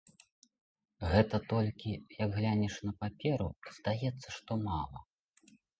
Гэта толькі, як глянеш на паперу, здаецца, што мала.